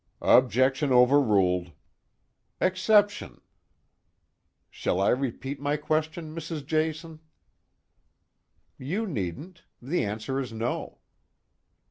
"Objection overruled." "Exception." "Shall I repeat my question, Mrs. Jason?" "You needn't. The answer is no."